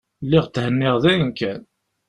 Lliɣ thenniɣ dayen kan.